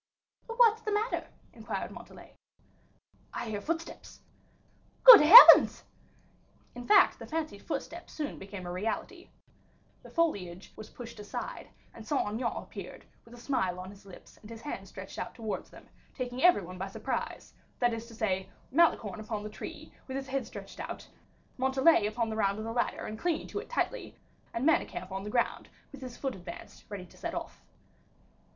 "What's the matter?" inquired Montalais. "I hear footsteps." "Good heavens!" In fact the fancied footsteps soon became a reality; the foliage was pushed aside, and Saint Aignan appeared, with a smile on his lips, and his hand stretched out towards them, taking every one by surprise; that is to say, Malicorne upon the tree with his head stretched out, Montalais upon the round of the ladder and clinging to it tightly, and Manicamp on the ground with his foot advanced ready to set off.